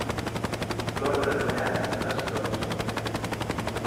L'ordre d'enllaç és dos.